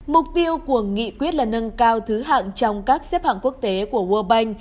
mục tiêu của nghị quyết là nâng cao thứ hạng trong các xếp hạng quốc tế của world bank